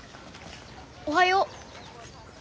おはよう。